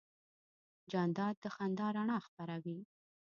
جانداد د خندا رڼا خپروي.